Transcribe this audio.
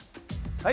はい。